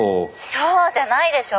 そうじゃないでしょ！